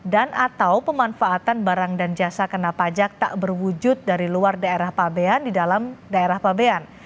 dan atau pemanfaatan barang dan jasa kena pajak tak berwujud dari luar daerah pabn di dalam daerah pabn